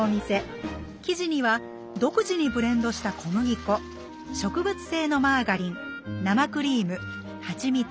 生地には独自にブレンドした小麦粉植物性のマーガリン生クリームハチミツ